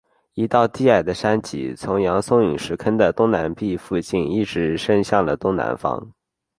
一道低矮的山脊从扬松陨石坑的东南壁附近一直伸向了东南方。